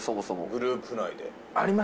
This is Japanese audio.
グループ内で。